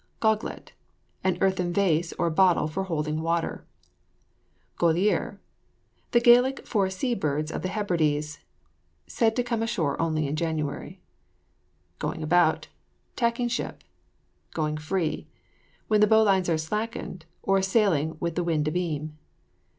GOGLET. An earthen vase or bottle for holding water. GOILLEAR. The Gaelic for a sea bird of the Hebrides, said to come ashore only in January. GOING ABOUT. Tacking ship. GOING FREE. When the bowlines are slackened, or sailing with the wind abeam.